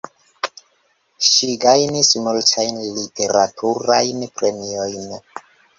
Ŝi gajnis multajn literaturajn premiojn.